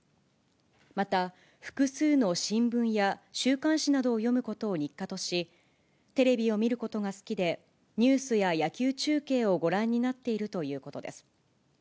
また、複数の新聞や週刊誌などを読むことを日課とし、テレビを見ることが好きで、ニュースや野球中継をご覧になっているということです。